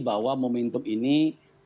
bahwa momentum ini kami harus mengembalikan